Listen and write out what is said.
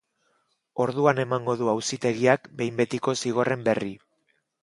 Orduan emango du auzitegiak behin betiko zigorren berri.